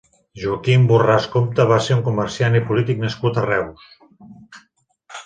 Joaquim Borràs Compte va ser un comerciant i polític nascut a Reus.